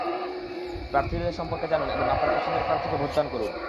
প্রার্থীদের সম্পর্কে জানুন এবং আপনার পছন্দের প্রার্থীকে ভোটদান করুন।